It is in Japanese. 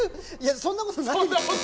そんなことないですよ。